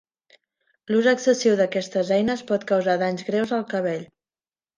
L'ús excessiu d'aquestes eines pot causar danys greus al cabell.